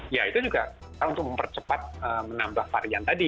ya itu juga untuk mempercepat menambah varian tadi